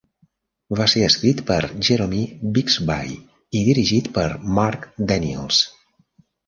Va ser escrit per Jerome Bixby i dirigit per Marc Daniels.